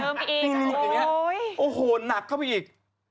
อย่างนี้โอ้โฮนักเข้าไปอีก